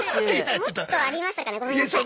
もっとありましたかねごめんなさい。